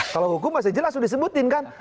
kalau hukum masih jelas sudah disebutin kan